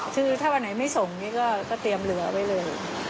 คือถ้าวันไหนไม่ส่งนี่ก็เตรียมเหลือไว้เลย